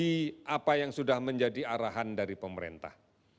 dari apa yang sudah menjadi arahan dari pemerintah